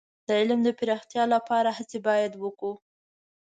د علم د پراختیا لپاره هڅې باید وکړو.